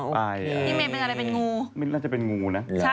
ไปพี่เมย์เป็นอะไรเป็นงู